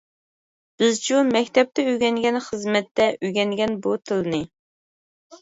بىزچۇ؟ مەكتەپتە ئۆگەنگەن، خىزمەتتە ئۆگەنگەن بۇ تىلنى.